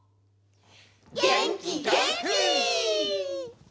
げんきげんき！